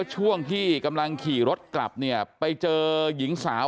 ช่วงที่กำลังขี่รถกลับเนี่ยไปเจอหญิงสาว